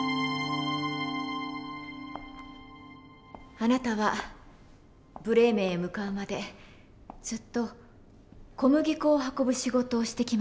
あなたはブレーメンへ向かうまでずっと小麦粉を運ぶ仕事をしてきましたね。